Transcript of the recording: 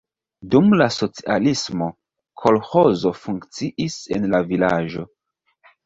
Dum la socialismo kolĥozo funkciis en la vilaĝo.